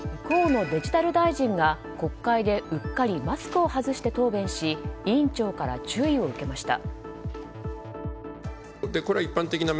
河野デジタル大臣が国会でうっかりマスクを外して答弁し委員長から注意を受けました。